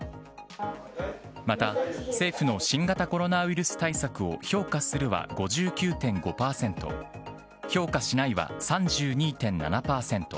また政府の新型コロナウイルス対策を評価するは５９．５％、評価しないは３２．７％。